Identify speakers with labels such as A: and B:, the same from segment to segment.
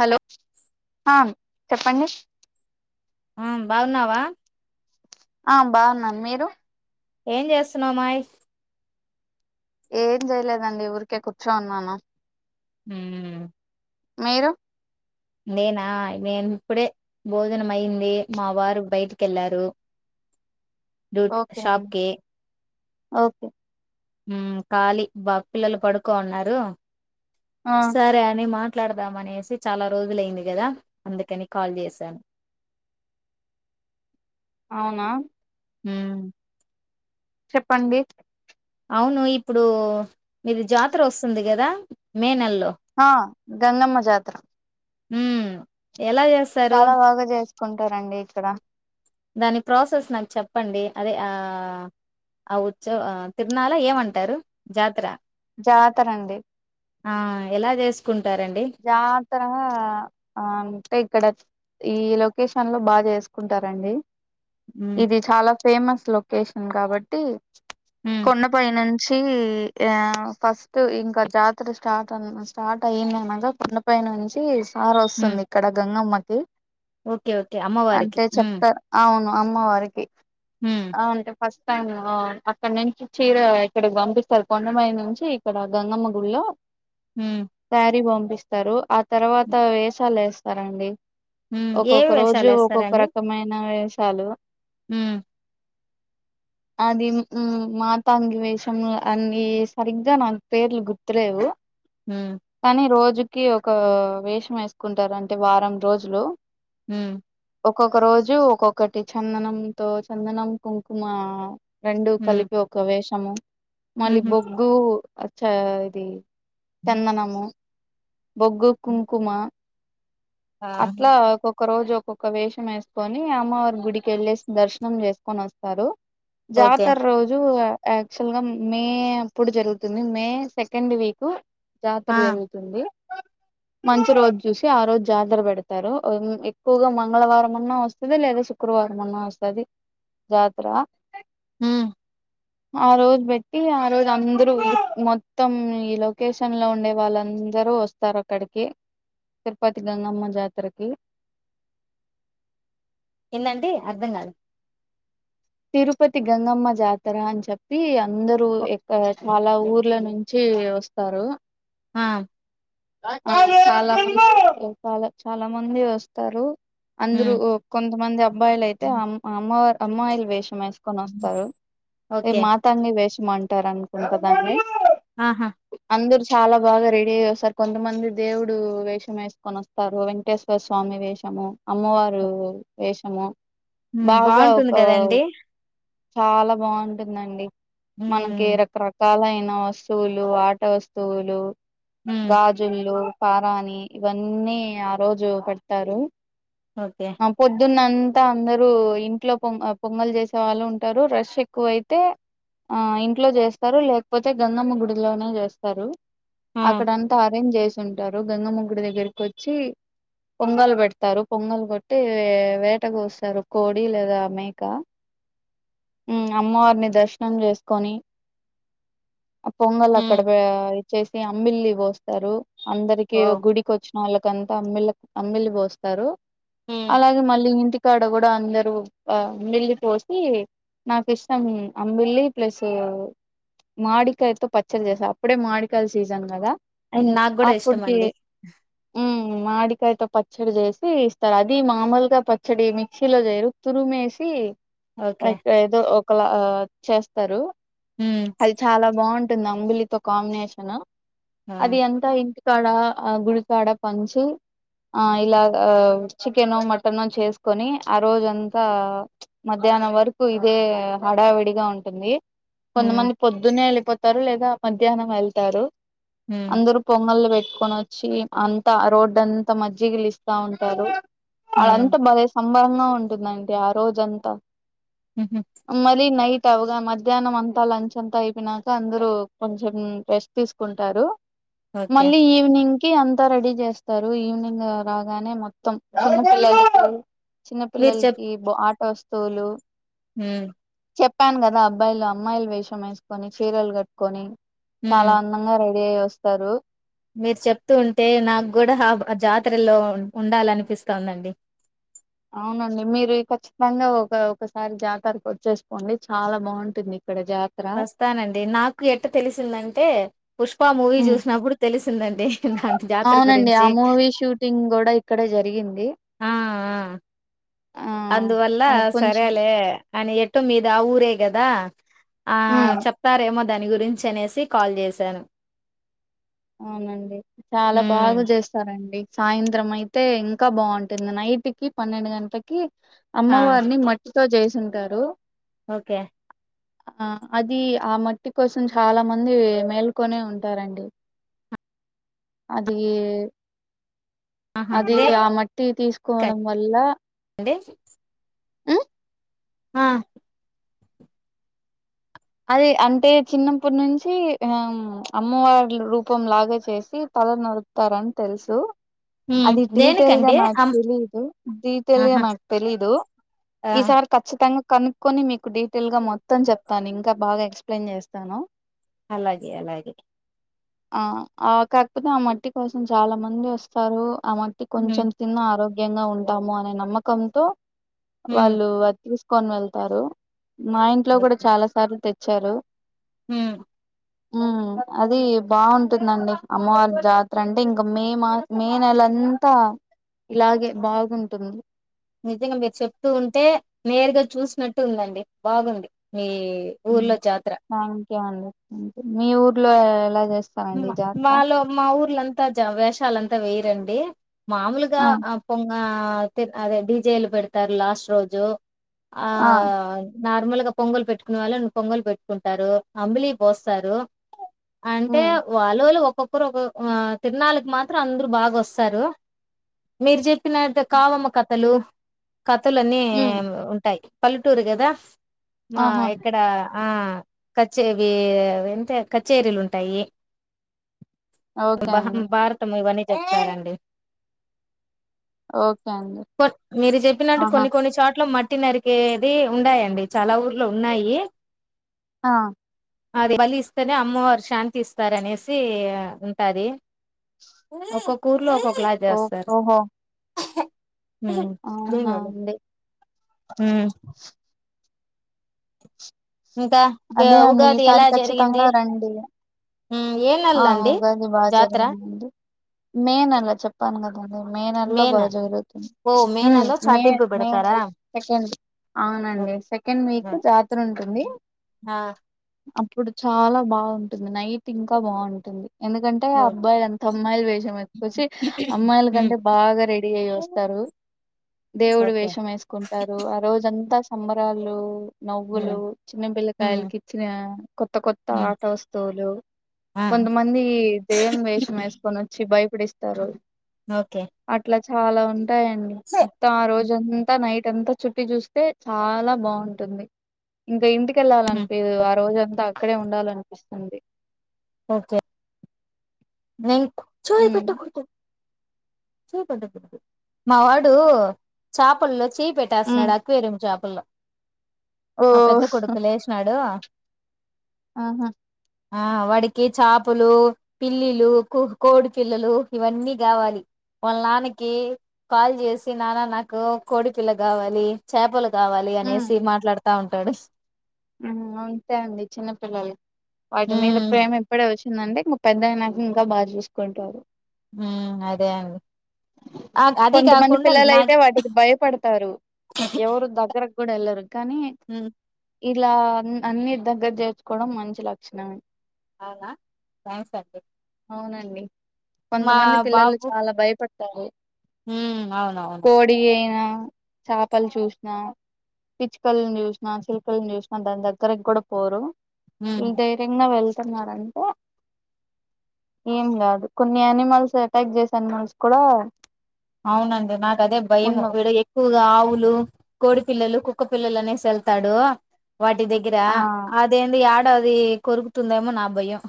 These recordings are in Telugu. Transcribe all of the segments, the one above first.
A: హలో ఆ చెప్పండి
B: ఆ బాగున్నావా
A: ఆ బాగున్నాను మీరు
B: ఏం చేస్తున్నామాయి
A: ఏం చేయలేదండి ఊరికే కూర్చో ఉన్నాను.
B: హ్మ్
A: మీరు
B: నేనా నేను ఇప్పుడే భోజనం అయింది, మా వారు బయటికెళ్లారు. డ్యు
A: ఓకే
B: షాప్
A: అండి
B: కి
A: ఓకే
B: ఉమ్ ఖాళీ బా పిల్లలు పడుకో ఉన్నారు
A: ఆ
B: సరే అని మా మాట్లాడదాం అనేసి చాలా రోజులయింది కదా అందుకని కాల్ చేశాను.
A: అవునా
B: ఉమ్
A: చెప్పండి
B: అవును ఇప్పుడు మీది జాతర వస్తుంది కదా మే నెల్లో
A: హా గంగమ్మ జాతర
B: హు ఎలా చేస్తారు
A: కొంటారండి ఇక్కడ
B: దాని ప్రాసెస్ నాకు చెప్పండి అదే ఆ ఆ ఉత్సవ తిరునాల ఏమంటారు జాతర
A: జాతర అండి
B: ఆ ఎలా చేసు
A: జాతర ఆ అంటే ఇక్కడ ఈ లొకేషన్ లో బాగా చేసుకుంటారండి
B: మ్మ్
A: ఇది చాలా ఫేమస్ లొకేషన్ కాబట్టి
B: మ్మ్
A: కొండపైయి నుం చి ఆ ఫస్ట్ ఇంకా జాతర స్టార్ట్ అ స్టార్ట్ అయింది కొండపై నుంచి సార
B: మ్మ్
A: వస్తుంది ఇక్కడ గంగమ్మకి
B: ఓకే ఓకే అమ్మవారికి
A: అంటే
B: మ్మ్
A: చెప్తార్ అవును అమ్మవారికి
B: మ్మ్
A: అ అంటే ఫస్ స్టైం అక్కడ నుంచి చీర ఇక్కడ పంపిస్తారు కొండమీద నుంచి ఇక్కడ గంగమ్మ గుళ్లో
B: మ్మ్
A: శారీ పంపిస్తారు ఆ తర్వాత వేసాలు వేస్తారండి.
B: మ్మ్
A: ఒక్కొక్క
B: ఏవి వేషాలు
A: రోజు ఒక్కొక్క రకమైన వేషాలు
B: ఉమ్
A: అది మాతాంగి వేషం అని సరిగ్గా నాకు పేర్లు గుర్తులేవు.
B: మ్మ్
A: కానీ రోజుకి ఒక వేషం వేసుకుంటారు అంటే వారం రోజులు
B: ఉమ్
A: ఒక్కొక్క రోజు ఒక్కొక్కటి చందనంతో చందనం కుంకుమ రెండు
B: మ్మ్
A: కలిపి ఒక వేషము మళ్ళీ
B: మ్హు
A: బొగ్గు అచ్చ అది చందనము బొగ్గు కుంకుమ
B: ఆ
A: అట్లా ఒక్క రోజు ఒక్కొక్క వేషం వేసుకొని అమ్మవారి గుడికి వెళ్ళేసి దర్శనం చేసుకొని వస్తారు
B: ఓకే
A: జాతర రోజు యాక్చువల్ గా మే అప్పుడు జరుగుతుంది మే సెకండ్ వీక్ జాతర
B: ఆ
A: జరుగుతుంది అది మంచి రోజు చూసి ఆ రోజు జాతర పెడతారు ఎక్కువగా మంగళవారం అన్నా వస్తుంది లేదా శుక్రవారం అన్న వస్తది జాతర
B: హుమ్
A: ఆ రోజు పెట్టి ఆ రోజు అందరూ మొత్తం ఈ లొకేషన్ లో ఉండే వాళ్ళ అందరు వస్తారు అక్కడికి తిరుపతి గంగమ్మ జాతరకి
B: ఏందండి అర్ధం కాదు
A: తిరుపతి గంగమ్మ జాతర అని చెప్పి అందరు ఎక్క చాలా ఊర్ల నుంచి వచ్చి వస్తారు
B: ఆ
A: చాలా చాలా చాలా మంది వస్తారు అందరు
B: మ్మ్
A: కొంతమంది అబ్బాయిలు అయితే అమ్మ అమ్మాయిలు వేషం వేసుకొని వస్తారు అ
B: ఓకే
A: మాతంగి వేషమంటారు అనుకుంటు దాన్ని
B: ఆహా
A: అందరు చాలా బాగా రెడీ అయి వస్తారు కొంతమంది దేవుడు వేషం వేసుకొని వస్తారు వెంకటేశ్వర స్వామి వేషము అమ్మవారు వేషము
B: మ్మ్
A: బాగా
B: బాగుంటుంది
A: ఒక
B: కదండి
A: చాలా బాగుంటుందండి
B: మ్మ్
A: మనకి రకరకాల చిన్న వస్తువులు ఆట వస్తువులు
B: మ్మ్
A: గాజులు పారాని ఇవన్నీ ఆ రోజు పెడతారు
B: ఓకే
A: ఆ పొద్దున్న అంతా అందరూ ఇంట్లో పొంగ పొంగల్ చేసే వాళ్ళు ఉంటారు రష్ ఎక్కువైతే ఆ ఇంట్లో చేస్తారు లేకపోతే గంధమ గుడిలోనే చేస్తారు
B: ఆ
A: అక్కడంతా అరేంజ్ చేసి ఉంటారు గంగమ్మ గూడి దగ్గరకి వచ్చి పొంగలు పెడతారు పొంగలు కొట్టి వేటకు వస్తారు కోడి లేదా మేక ఉమ్ అమ్మవారిని దర్శనం చేసుకొని పొంగల్ అక్కడ
B: మ్మ్
A: ఇచ్చేసి అంబిల్లి పోస్తారు అందరికి
B: వావ్
A: గుడికి వచ్చిన వాళ్ళ కాంత అమ్మిల అమ్మిలి పోస్తారు
B: మ్మ్
A: అలాగే మళ్ళీ ఇంటికి ఇక్కడ కూడా అందరు ఆ మీల్లి పోసి నాకు ఇష్టం అంబిల్లి ప్లస్ మాడికాయతో పచ్చరి చేస్తా అప్పుడే మాడికాయల సీజన్ కదా
B: అయి నాకు కూడా ఇష్టం
A: అప్పుటికి
B: అండి
A: మ్మ్ మాడికాయతో పచ్చడి చేేసి ఇస్తారు అది మామూలుగా పచ్చడి మిక్సీలో చేయరు తురుమేసి
B: ఓకే
A: లైక్ ఏదో ఒకలా ఆ చేస్తారు
B: మ్మ్
A: అది చాలా బాగుంట ఉంటుంది అంబులితో కాంబినేషన్
B: ఆ
A: అది ఎంత ఇంటి కాడ ఆ గుడికాడ పంచు ఆ ఇలా చికెను మటన్ చేసుకొని ఆ రోజంతా మధ్యాహ్నం వరకు ఇదే హడావిడిగా ఉంటుంది
B: మ్మ్
A: కొంతమంది పొద్దునే పోతారు లేదా మధ్యాహ్నం వెళ్తారు
B: మ్మ్
A: అందరుూ పొంగలు పెట్ కొని వచ్చి అంతా రోడ్డు అంతా మజ్జిగలిస్తా ఉంటారు
B: మ్మ్
A: వాళ్ళంతా భలే ంగా ఉంటుందండి ఆ రోజంతా
B: మ్హు
A: మళ నైట్ వగా మధ్యాహ్నం అంతా లంచ్ అంతా అయిపోయినాక అందరుూ కొంచెం రెస్ట్ తీసుకుంటారు
B: ఓకే
A: మళ్ళీ ఈవినింగ్ అంతా రెడీ చేస్తారు ఈవినింగ్ రాగానే మొత్తం చిన్న
B: మీరు
A: పిల్లలకి ప ఆట వస్తువులు
B: హ
A: చెప్పాను కదా అబ్బాయిలు అమ్మాయిలు వేషం వేసుకొని చీరలు కట్టుకొని
B: హ్మ్
A: చాలా అందంగా రై వేస్తారు.
B: మీరు చెప్తూ ఉంటే నాకు కూడా హాఫ్ జాతరలో ఉండాలనిపిస్తందండి. [inaudible]
A: అవునండి మీరు ఖచ్చితంగా ఒక ఒకసారి జాతరకి వచ్చేసుపోండి చాలా బాగుంటుంది. ఇక్కడ జాతర
B: వస్తానండి నాకు ఎట్ట తెలిసిందంటే పుష్ప మూవీ చూసినప్పుడు తెలిసిందండి నాకు జాతర
A: అవునండి ఆ
B: గురించి
A: మూవీ షూటింగ్ కూడా ఇక్కడే జరిగింది.
B: ఆ
A: ఆ
B: అందువల్ల
A: అది కొంచెం
B: సరేలేే అని ఎటు మీద ఆ ఊరే కదా! ఆ
A: ఉమ్
B: చెప్తారేమో దాని గురించి అనేసి కాల్ చేశాను
A: అవునండి చాలా
B: హ్మ్
A: బాగా చేస్తారండి. సాయంత్రం అయితే ఇంకా బాగుంటుంది నైట్ కి పన్నెండు గంటకి
B: ఆ
A: అమ్మవారిని మట్టితో చేసింటారు
B: ఓకే
A: ఆ అది ఆ మట్టి కోసం చాలా మంది మేల్కొనే ఉంటారండి. అది
B: ఆహా
A: అది ఆ మట్ టీ తీసుకోవడం వల్ల
B: అడి
A: ఉ
B: ఆ
A: అది అంటే చిన్నప్పటి నుంచి ఆ అమ్మవారి రూపంలాగా చేసి తల నరుతారని తెలుసు
B: హ్మ్
A: అది డీటెల్గా
B: దేనికండి
A: నాక్
B: అమ్
A: తెలిదు డీటెల్గా
B: ఆహా
A: నాక్ తెలిదు
B: ఆ
A: ఈసారి కచ్చితంగా కనుక్కొని మీకు డీటెయిల్ గా మొత్తం చెప్తాను ఇంకా బాగా ఎక్స్ప్లెయిన్ చేస్తాను.
B: అలాగే అలాగే
A: ఆ ఆ కాకపోతే ఆ మట్టి కోసం చాలా మంది ఓస్తారు ఆ మట్టి
B: హ్మ్.
A: కొంచెం తిన్న ఆరోగ్యంగా ఉంటాము అనే నమ్మకంతో
B: హ్మ్.
A: వాళ్ళుది అది తీసుకొని వెళ్తారు మా ఇంట్లో కూడా చాలా సార్లు తెచ్చారు.
B: ఉం
A: ఉమ్ అది బాగుంటుందండి అమ్మవారి జాతర అంటే ఇంకా మే మా మే నెల అంతా ఇలాగే బాగుంటుంది.
B: నిజంగా మీరు చెప్తూ ఉంటే నేరుగా చూసినట్టు ఉందండి బాగుంది. మీ ఎ ఊర్లో జాతర
A: ండ మీ ఊర్లో ఎలా చేస్తా
B: మాలో మా ఊర్లంతా వేషాలంతా వేయరండి మామూలుగా
A: ఆ
B: పొంగ త అదే డీజేలు పెడతారు. లాస్ట్ రోజు ఆ నార్మల్ గా పొంగలు పెట్టుకునే వాళ్ళ పొంగలు పెట్టుకుంటారు అంబలి పోస్తారు. అంటే
A: ఉమ్
B: వాళ్ళోల్లు ఒక్కొక్కరు ఒకొ తిరనాలకి మాత్రం అందరు బాగా వస్తారు. మీరు చెప్పినట్టు కావమ్మ కథలు కథలన్నీ
A: ఉమ్
B: ఉంటాయి పల్లెటూరు కదా మా
A: ఆహా
B: ఇక్కడ ఆ కచేరి వింతే కచేరీలుంటాయి.
A: ఓకే అండి
B: భహామ్ భారతం ఇవన్నీ చెప్తరండి
A: ఓకే అండి
B: పో మీరు చెప్పినట్టు
A: ఆహా
B: కొన్ని కొన్ని చోట్ల మట్ ట్టినరికిది ఉన్నాయండి చాలా ఊర్లో ఉన్నాయి
A: అ
B: అది బలి ఇస్తానే అమ్మవారు శాంతి ఇస్త్ సరు అనేసి ఉంటాది ఒక్కొక్క ఊర్లో ఒక్కొక్క
A: ఓ ఓహో అవునా అండి
B: మ్ ఇంకా
A: అదే అండి
B: ఉగాది
A: ఈసారి
B: ఎలా జరిగింది
A: ఖచ్చితంగా రండి
B: ఏ
A: ఆ
B: నెలలో అండి
A: ఉగాది బా
B: జాతర
A: జరిగింది మే నెలా చెప్పనుగా మే నెలలో బాగ జరుగుతుంది
B: ఓ
A: మే
B: నెలలో
A: మే
B: చాటింపు
A: మే
B: పెడతారా
A: నెల సెకండ్ అవునండి
B: ఓకే
A: సెకండ్ వీక్ జాతరుంటుంది
B: అ
A: అప్పుడు చాలా బాగుంటుంది నైట్ ఇంకా బాగుంటుంది ఎందుకంటే ఆ
B: ఓ
A: అబ్బాయిలంత అమ్మాయిలు వేషం ఎతుకొచ్చి అమ్మాయిల
B: హ్మ్
A: కంటే బాగ రెడీ అయి వస్తారు ఉ దేవుడు
B: ఓకే
A: వేషం వేసుకుంటారు ఆ రోజంతా సంబరాలు నవ్వులు
B: హ్మ్
A: చిన్న
B: హ్మ్
A: బిల్ళకాయలకిచ్చిన కొత్త కొత్త
B: హ్మ్
A: ఆట వస్తువులు
B: ఆ
A: కొంతమంది దేయ్యం వేషం వేసుకొని వచ్చి భయపడిస్తారు
B: ఒకే
A: చాల ఉంటాయండి మొత్తం ఆ రోజంతా నైట్ అంతా చుట్టి చూస్తే చాల బాగుంటుంది ఇంకా ఇంటికి
B: హ్మ్
A: కెళ్ళాలనిపిదు ఆ రోజ అంతా అక్కడే ఉండాలనిపిస్తుంది
B: ఒకే నెయ్ చెయ్
A: ఉమ్
B: పెట్టకూడదు మావాడు చేపల్లో చెయ్
A: ఉమ్
B: పెట్టేస్తున్నాడు అక్వేరియం చాపల్లో
A: ఓ
B: మా పెద్ద కొడుకు లేచినాడు
A: ఆహా
B: ఆ వాడికి చాపలు పిల్లి లు కు కోడి పిల్లలు ఇవన్నీ కావాలి వాళ్ళ నాన్నకి కాల్ చేసి నాన్న నాకు కోడి పిల్ల కావాలి చేపలు కావాలి అనేసి మాట్లాడుతా ఉంటాడు
A: మ్ ఉంతే అండి చిన్నపిల్లలు వాటి మీద
B: హ్మ్
A: ప్రేమ ఇప్పుడే వచ్ వచ్చిందంటే ఉ పెద్దయినాక ఇంకా బాగా చూసుకుంటారు
B: ఊ అదే అండి అ అది
A: కొంతమంది
B: కాకుండా నా
A: పిల్లలయితే వాటికి భయపడతారు ఎవరు దగ్గరకు కూడా వెళ్ళరు కానీ
B: హ్మ్
A: ఇలా అన్ అన్ని దగ్గర జేర్చుకోవడం మంచి లక్షణమే
B: అవునా థ్యాంక్స్ అండి
A: అవునండి
B: మా
A: కొంతమంది పిల్లలు చాలా భయపడతారు
B: ఉమ్ అవునవును
A: కోడి అయినా చేపలు చూసిన పిచ్చుకల్ని చూసిన చిల్ లుకల్ని చూసిన దాని దగ్గరకి కూడా పోరు
B: హ్మ్
A: వీళ్ళు ధైర్యంగా వెళ్ [unintelligible] ఏం కాదు కొన్ని యానిమల్స్ అటాక్ చేసే అనిమల్స్ కూడా
B: అవునండి నాకదే భయము
A: ఉండవు
B: వీడ ఎక్కువగా ఆవు లు కోడి పిల్లలు కుక్క పిల్లలనేసి వెళ్తాడు వాటి దగ్గర
A: ఆ
B: అదేంది ఏడ అది కొరుకుతుందేమో నా భయం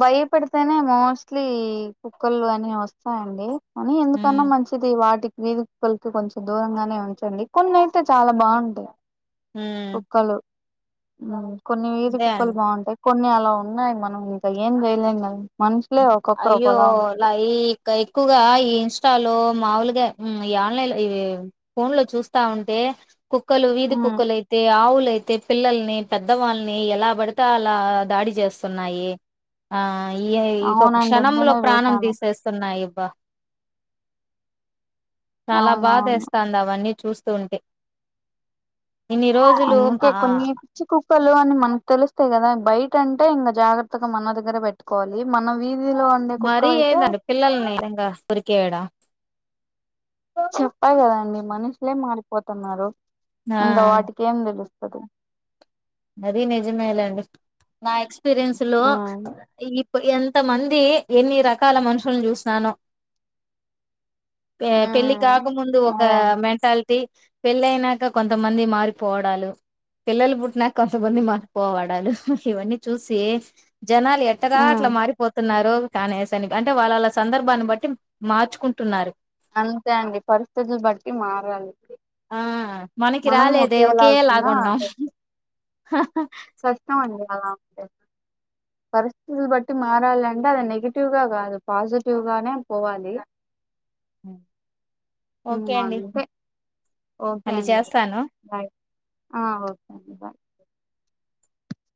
A: భయపడితేనే మోస్ట్లీ కుక్కలు అని వస్తాయండి కానీ ఎందుకన్నా
B: హ్మ్
A: మంచిది వాటికి వీధి కుక్కలకి కొంచెం దూరంగానే ఉంచండి కొన్ని అయితే చాలా బాగుంటాయి
B: హ్మ్
A: కుక్కలు కొన్ని వీధి
B: అదే అండి
A: కుక్కలు బాగుంటాయి కొన్ని అలా ఉన్నాయి మనం ఇంక ఏం చేయలేం కనీ
B: అయ్యో లా ఈ ఎక్కువగా ఈ ఇన్స్టాలో మాములుగా హు ఈ ఆన్లైన్ లో ఇవి ఫోన్ లో చూస్తా ఉంటే కుక్కలు వీధి కుక్కలు అయితే ఆవుల్ తైతే పిల్లల్ని పెద్దవాళ్ళని ఎలా పడితే అలా దాడి చేసున్నాయి. అయి యహీ ఇప్పక్
A: అవునండి
B: క్షణంలో
A: నేను
B: ప్రాణం
A: చూసాను
B: తీసేస్తునై యిబ్బా. చాలా
A: అవునవును
B: బాధేస్తన్ది అవన్నీ చూస్తూంటే
A: ఊకే కొన్ని పిచ్చి కుక్కలు అని మనకు తెలుస్తాయి కదా బయటన్ టే ఇంగా జాగ్రత్తగా మన దగ్గర పెట్టుకోవాలి మనవి
B: మరీ ఏందండి పిల్లల్ని ఈ విందంగా కోరికేయాడం.
A: చెప్పా కదండి. మనుషులే మారిపోతున్నారు.
B: ఆ
A: ఇంగా వాటికేం దెలుస్ కదు
B: అది నిజమేలేండి. నా ఎక్స్పీరియన్స్ లో
A: ఉమ్
B: ఈ ఎంత మంది ఎన్ని రకాల మనుషులను జూసాను. ఏ పెళ్ళి
A: ఉమ్
B: కాకముందు ఒక
A: అదే అండి.
B: మెంటాల్ ది పెళ్ళైనకా కొంతమంది మారిపోవడాలు పిల్లలు పుట్టినాక్ కొంతమంది మారిపోవాడాలు ఇవన్నీ చూసి జనాలు ఎట్టగా
A: ఉమ్
B: అట్లా మారిపోతున్నారు. లో కానేసాని అంటే వాళ్ళలా సందర్భాన్ని బట్టి మార్చుకుంటున్నారు.
A: అంతే అండి, పరిస్థితులు బట్టి మారాలి.
B: ఆ మనకి
A: మనం
B: రాలేదే
A: ఒకేలాగున్నా
B: ఒకేలాగున్నాం.
A: కష్టమండి. అలా చేస్ పరిస్థితులు బట్టి మారాలంటే, అది నెగిటివ్గా కాదు, పాజిటివ్ గానే పోవాలి.
B: హు్
A: హుహ్ అంతే ఒకే
B: మళ్ళీ
A: అండి
B: చేస్తాను
A: బాయ్. ఆ ఒకే అండి బాయ్.